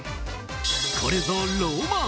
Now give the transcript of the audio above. これぞロマン！